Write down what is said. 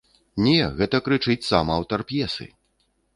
Не, гэта крычыць сам аўтар п'есы.